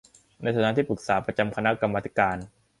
ในฐานะที่ปรึกษาประจำคณะกรรมาธิการ